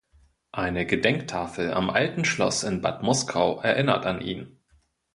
Eine Gedenktafel am Alten Schloss in Bad Muskau erinnert an ihn.